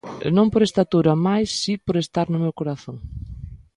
Non por estatura mais si por estar no meu corazón.